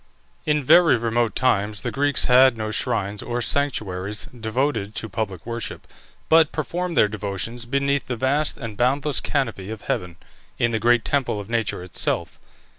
In very remote times the Greeks had no shrines or sanctuaries devoted to public worship, but performed their devotions beneath the vast and boundless canopy of heaven, in the great temple of nature itself.